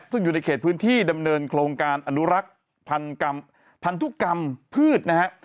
ซึ่งอยู่ในเขตพื้นที่ดำเนินโครงการอนุรักษ์พันธุกรรมพืชนะฮะ